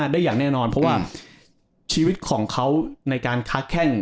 ได้อย่างแน่นอนเพราะว่าชีวิตของเขาในการค้าแข้ง